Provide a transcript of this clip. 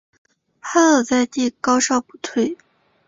趴倒在地高烧不退